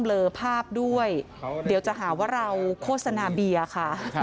เลอภาพด้วยเดี๋ยวจะหาว่าเราโฆษณาเบียร์ค่ะ